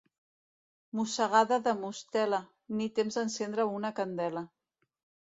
Mossegada de mostela, ni temps d'encendre una candela.